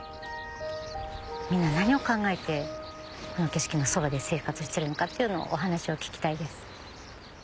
みんな何を考えてこの景色のそばで生活してるのかっていうのをお話を聞きたいです。